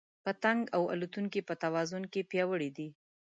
پتنګ او الوتونکي په توازن کې پیاوړي دي.